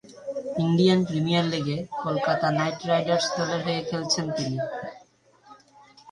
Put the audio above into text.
Indian Premier লীগে Kolkata Knight Riders দলের হয়ে খেলছেন তিনি।